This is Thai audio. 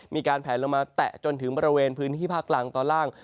มีการแผลลงมาแตะจนถึงบริเวณพื้นที่ภาคกลางตอนล่าง